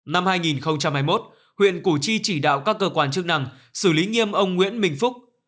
năm hai nghìn hai mươi một huyện củ chi chỉ đạo các cơ quan chức năng xử lý nghiêm ông nguyễn minh phúc